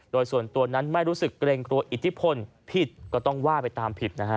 โดยส่วนตัวนั้นไม่รู้สึกเกรงกลัวอิทธิพลผิดก็ต้องว่าไปตามผิดนะฮะ